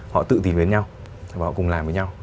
họ tự tìm đến nhau và họ cùng làm với nhau